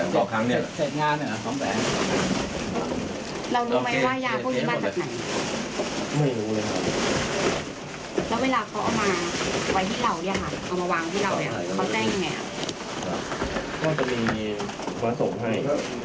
แค่นี้